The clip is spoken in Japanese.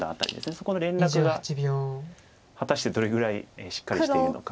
そこの連絡が果たしてどれぐらいしっかりしているのか。